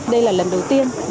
đây là lần đầu tiên